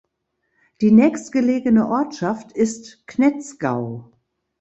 Die nächstgelegene Ortschaft ist Knetzgau.